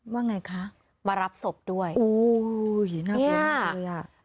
ว่าไงคะมารับศพด้วยโอ้โหหน้ากลมมากเลยอ่ะเนี่ย